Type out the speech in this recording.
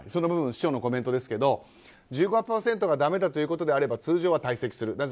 市長のコメントですけど１５％がだめだということであれば通常は退席する。